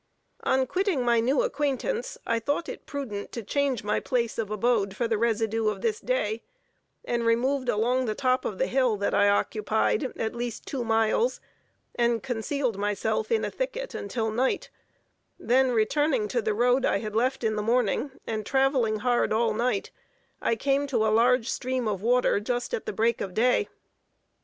On quitting my new acquaintance, I thought it prudent to change my place of abode for the residue of this day, and removed along the top of the hill that I occupied at least two miles, and concealed myself in a thicket until night, when returning to the road I had left in the morning, and traveling hard all night, I came to a large stream of water just at the break of day.